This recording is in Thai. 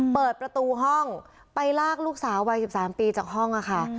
เปิดประตูห้องไปลากลูกสาววัย๑๓ปีจากห้องค่ะ